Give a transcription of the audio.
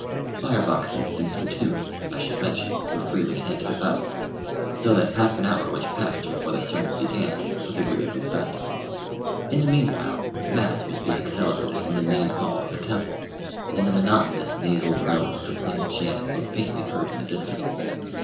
Fire boxes and spittoons, I should mention, were freely handed about; so that half an hour which passed before the sermon began was agreeably spent. In the meanwhile, mass was being celebrated in the main hall of the temple, and the monotonous nasal drone of the plain chant was faintly heard in the distance.